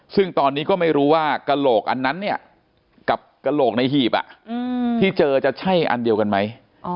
ซึ่งตอนนี้ก็ไม่รู้ว่ากระโหลกอันนั้นเนี่ยกับกระโหลกในหีบที่เจอจะใช่อันเดียวกันไหม